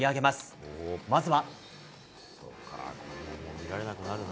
まずは。